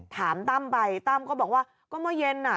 ตั้มไปตั้มก็บอกว่าก็เมื่อเย็นน่ะ